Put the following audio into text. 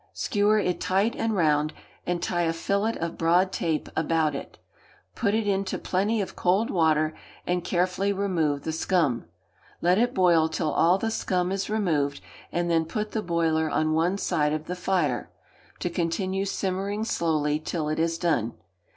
Skewer it tight and round, and tie a fillet of broad tape about it. Put it into plenty of cold water, and carefully remove the scum; let it boil till all the scum is removed, and then put the boiler on one side of the fire, to continue simmering slowly till it is done.